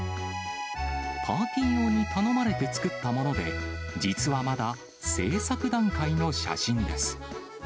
パーティー用に頼まれて作ったもので、実はまだ製作段階の写真です。